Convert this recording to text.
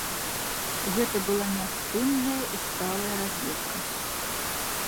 Гэта была няспынная і сталая разведка.